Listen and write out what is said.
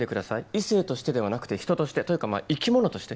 異性としてではなくて人としてというかまあ生き物として。